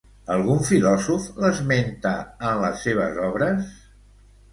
Algun filòsof l'esmenta en les seves obres?